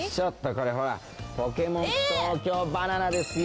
これほらポケモン東京ばな奈ですよ。